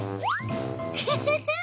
フフフッ。